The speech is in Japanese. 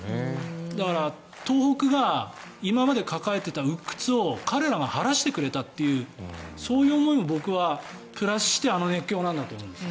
だから、東北が今まで抱えていたうっ屈を彼らが晴らしてくれたというそういう思いも僕はプラスしてあの熱狂なんだと思うんです。